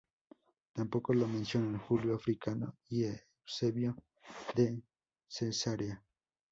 Tampoco lo mencionan Julio Africano y Eusebio de Cesarea.